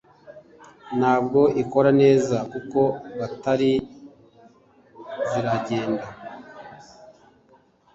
Ntabwo ikora neza kuko bateri ziragenda